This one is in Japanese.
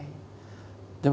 でも